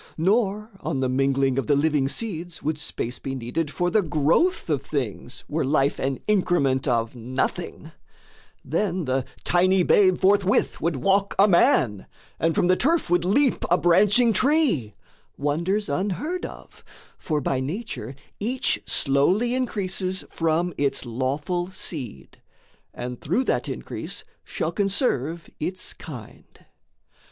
Nor on the mingling of the living seeds Would space be needed for the growth of things Were life an increment of nothing: then The tiny babe forthwith would walk a man, And from the turf would leap a branching tree Wonders unheard of; for, by Nature, each Slowly increases from its lawful seed, And through that increase shall conserve its kind.